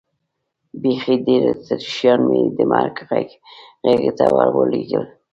بیخي ډېر اتریشیان مې د مرګ غېږې ته ور ولېږل.